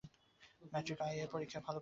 Matric এবং IA তাঁর কাছে থেকেই পাস করি।